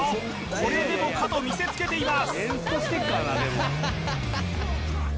これでもかとみせつけています